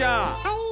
はい。